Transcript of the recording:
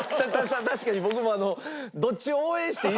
確かに僕も。